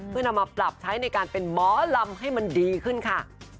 เพื่อนำมาปรับใช้ในการเป็นหมอลำให้มันดีขึ้นค่ะ